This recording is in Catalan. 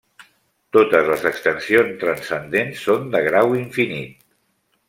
Totes les extensions transcendents són de grau infinit.